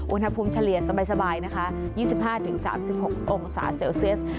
อุณหภูมิเฉลี่ยสบาย๒๕๓๖องศาเซลเซียส